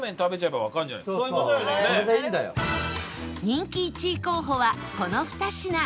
人気１位候補はこの２品